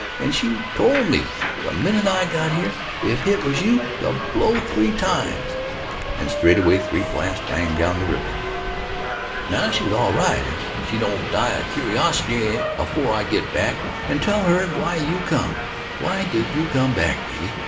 An' she tol' me the minute I got here, if hit was you to blow three times." And straightway three blasts rang down the river. "Now she's all right, if she don't die o' curiosity afore I git back and tell her why you come. Why did you come back, baby?